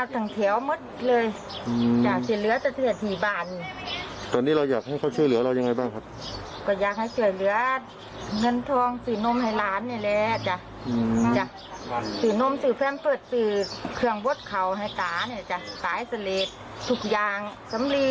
ตอนนี้เราอยากให้เขาเชื่อเหลือเรายังไงบ้างครับ